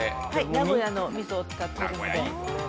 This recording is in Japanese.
名古屋のみそを使っているんで。